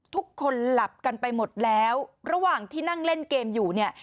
ทุกคนหลับกันไปหมดแล้วระหว่างที่นั่งเล่นเกมอยู่เนี่ย